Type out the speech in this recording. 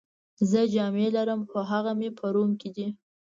زه جامې لرم، خو هغه مې په روم کي دي.